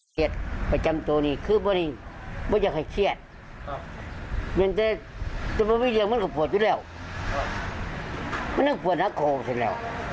เพราะที่ยังไปโดนเขา